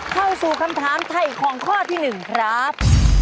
เข้าสู่คำถามไถ่ของข้อที่๑ครับ